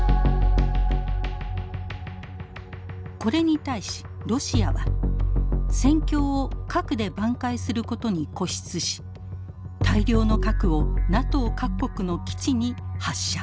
これに対しロシアは戦況を核で挽回することに固執し大量の核をＮＡＴＯ各国の基地に発射。